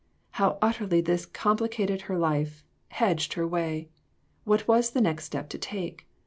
How utterly this complicated her life, hedged her way ! What was the next step to take